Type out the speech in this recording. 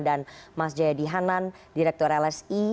dan mas jayadi hanan direktur lsi